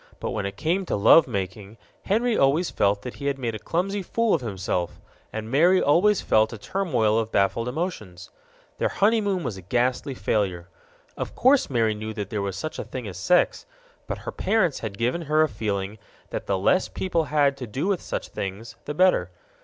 But when it came to love making, Henry always felt that he had made a clumsy fool of himself, and Mary always felt a turmoil of baffled emotions. Their honeymoon was a ghastly failure. Of course Mary knew that there was such a thing as sex, but her parents had given her a feeling that the less people had to do with such things, the better.